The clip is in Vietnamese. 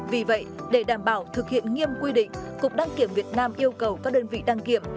vì vậy để đảm bảo thực hiện nghiêm quy định cục đăng kiểm việt nam yêu cầu các đơn vị đăng kiểm